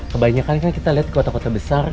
kebanyakan kan kita lihat di kota kota besar